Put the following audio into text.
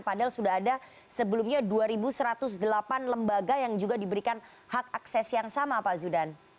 padahal sudah ada sebelumnya dua satu ratus delapan lembaga yang juga diberikan hak akses yang sama pak zudan